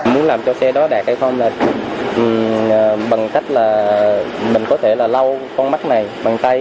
muốn làm cho xe đó đạt hay thôi là bằng cách là mình có thể là lau con mắt này bằng tay